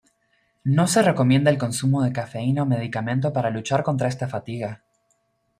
No se recomienda el consumo de cafeína o medicamento para luchar contra esta fatiga.